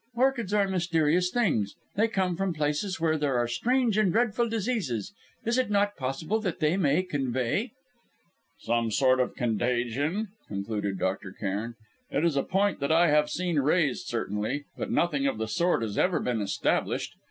"Orchids are mysterious things. They come from places where there are strange and dreadful diseases. Is it not possible that they may convey " "Some sort of contagion?" concluded Dr. Cairn. "It is a point that I have seen raised, certainly. But nothing of the sort has ever been established.